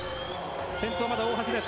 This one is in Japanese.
先頭、まだ大橋です。